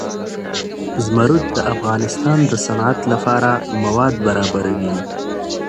زمرد د افغانستان د صنعت لپاره مواد برابروي.